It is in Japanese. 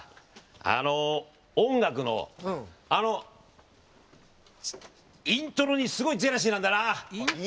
あの音楽の、あのイントロにすごいジェラシーなんだな。